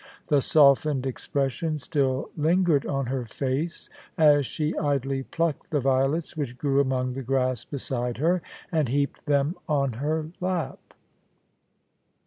The softened expression still lingered on her face as she idly plucked the violets which grew among the grass beside her, and heaped them on her lap.